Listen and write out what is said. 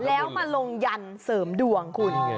แล้วมาลงยันเสริมดวงคุณ